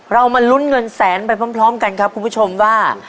มาลุ้นเงินแสนไปพร้อมกันครับคุณผู้ชมว่า